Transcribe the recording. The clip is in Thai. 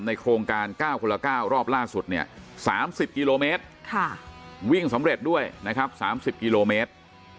โครงการ๙คนละ๙รอบล่าสุดเนี่ย๓๐กิโลเมตรวิ่งสำเร็จด้วยนะครับ๓๐กิโลเมตร